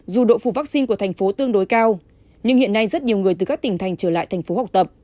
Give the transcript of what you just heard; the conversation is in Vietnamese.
dù độ phụ vaccine của tp hcm tương đối cao nhưng hiện nay rất nhiều người từ các tỉnh thành trở lại tp hcm